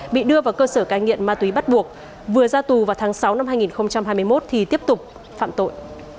bị đưa vào cơ sở cai nghiện ma túy bắt buộc vừa ra tù vào tháng sáu năm hai nghìn hai mươi một thì tiếp tục phạm tội